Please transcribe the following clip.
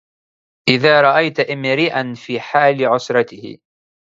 إذا رأيت امرءا في حال عسرته